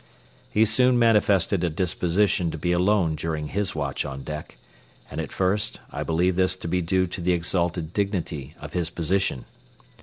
He soon manifested a disposition to be alone during his watch on deck, and at first I believed this to be due to the exalted dignity of his position.